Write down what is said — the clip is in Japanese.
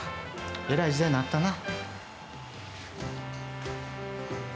えらい時代になったな。